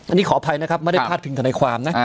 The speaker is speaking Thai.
อันนี้ขออภัยนะครับไม่ได้พลาดพิงธนายความนะ